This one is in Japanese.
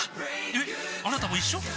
えっあなたも一緒？